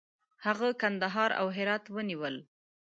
هغه کندهار او هرات ونیول.